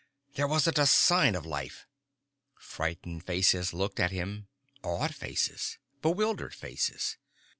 _ There wasn't a sign of life." Frightened faces looked at him. Awed faces. Bewildered faces.